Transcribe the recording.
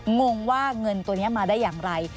งงว่าเงินตัวนี้มาได้อย่างไร